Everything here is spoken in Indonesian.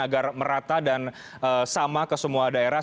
agar merata dan sama ke semua daerah